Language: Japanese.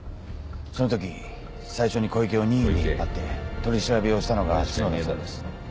そのとき最初に小池を任意で引っ張って取り調べをしたのが角田さんです。